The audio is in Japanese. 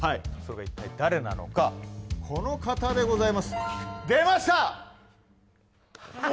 それが一体誰なのかこの方でございます出ました！